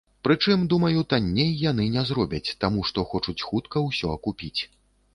Прычым, думаю, танней яны не зробяць, таму што хочуць хутка ўсё акупіць.